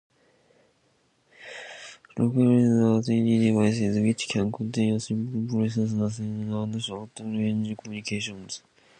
Localizers are tiny devices which can contain a simple processor, sensors, and short-range communications.